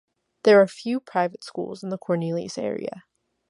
There are few private schools in the Cornelius area.